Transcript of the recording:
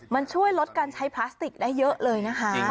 มันช่วยลดการใช้พลาสติกได้เยอะเลยนะคะ